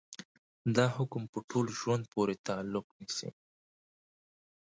دا حکم په ټول ژوند پورې تعلق نيسي.